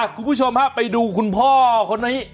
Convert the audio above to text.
คุณผู้ชมฮะไปดูคุณพ่อคนนี้